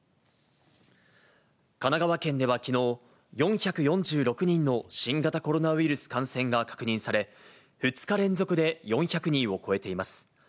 神奈川県ではきのう、４４６人の新型コロナウイルス感染が確認され、２日連続で４００人を超えています。